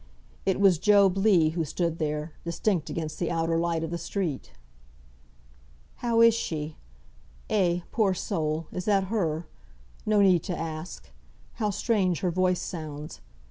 It was Job Legh who stood there, distinct against the outer light of the street. "How is she? Eh! poor soul! is that her! no need to ask! How strange her voice sounds!